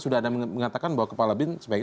sampai pada cuaca plays belakang